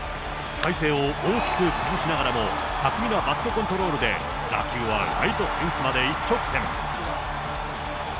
体勢を大きく崩しながらも、巧みなバットコントロールで打球はライトフェンスまで一直線。